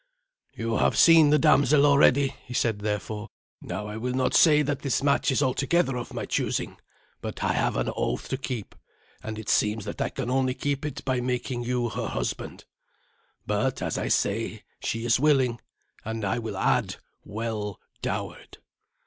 "You have seen the damsel already," he said therefore. "Now I will not say that this match is altogether of my choosing; but I have an oath to keep, and it seems that I can only keep it by making you her husband. But, as I say, she is willing, and, I will add, well dowered."